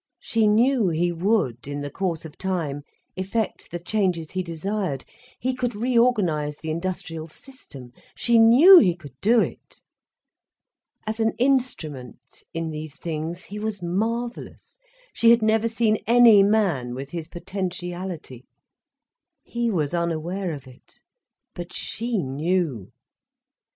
She knew he would, in the course of time, effect the changes he desired, he could re organise the industrial system. She knew he could do it. As an instrument, in these things, he was marvellous, she had never seen any man with his potentiality. He was unaware of it, but she knew.